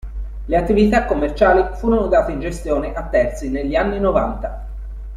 Le attività commerciali furono date in gestione a terzi negli anni novanta.